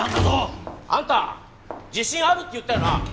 あんた自信あるって言ったよな？